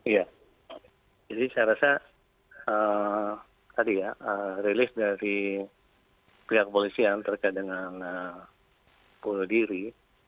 iya jadi saya rasa tadi ya rilis dari pihak polisian terkait dengan bunuh diri